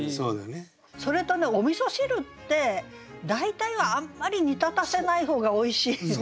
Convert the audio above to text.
それとねお味汁って大体はあんまり煮立たせない方がおいしいんですよね。